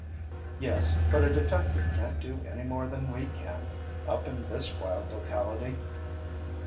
"Yes; but a detective can't do any more than we can, up in this wild locality."